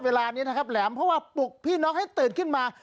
เวลานี้แหมาเพราะว่าปลูกพี่นอกให้ตื่นขึ้นมา